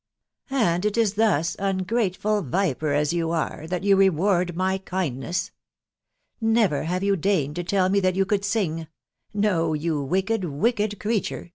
t€ And it is thus, • ungrateful viper as you are, tfcat f&k reward my kindness !•.•. Never have you deigned to 49 me that you could sing .... no, you wicked, wicked creature.